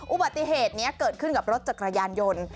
อุบัติเหตุนี้เกิดขึ้นกับรถจักรยานยนต์